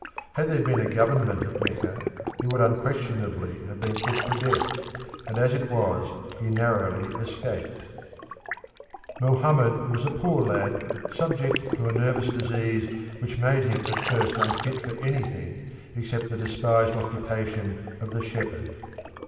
Had there been a government at Mecca, he would unquestionably have been put to death, and as it was he narrowly escaped. The Character of Mohammed Mohammed was a poor lad subject to a nervous disease which made him at first unfit for anything except the despised occupation of the shepherd.